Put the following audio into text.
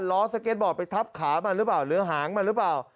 สเก็ตบอร์ดไปทับขามันหรือเปล่าหรือหางมันหรือเปล่า